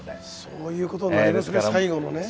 そういうことになりますね最後のね。